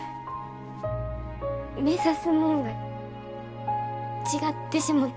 目指すもんが違ってしもた。